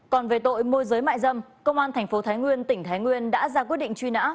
còn về tội môi giới mại dâm công an thành phố thái nguyên tỉnh thái nguyên đã ra quyết định truy nã